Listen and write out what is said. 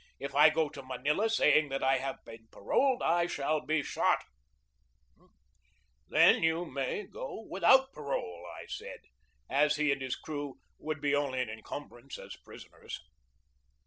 If I go to Manila saying that I have been paroled, I shall be shot." AFTER THE BATTLE 239 "Then you may go without parole," I said, as he and his crew would be only an encumbrance as prisoners.